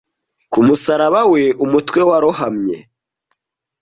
Ku musaraba we, umutwe warohamye,